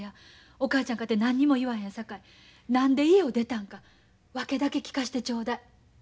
お母ちゃんかて何にも言わへんさかい何で家を出たんか訳だけ聞かしてちょうだい。